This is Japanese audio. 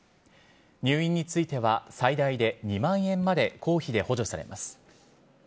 入院については、最大で２万円まで公費で補助されます。